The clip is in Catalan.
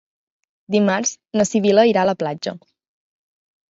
Dimarts na Sibil·la irà a la platja.